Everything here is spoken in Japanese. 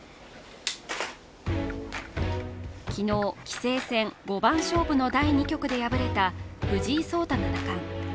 昨日、棋聖戦五番勝負の第２局で敗れた藤井聡太七冠。